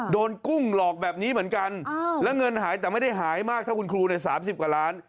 กุ้งหลอกแบบนี้เหมือนกันแล้วเงินหายแต่ไม่ได้หายมากเท่าคุณครูใน๓๐กว่าล้าน